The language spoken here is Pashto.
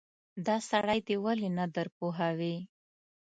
دا سړی دې ولې نه درپوهوې.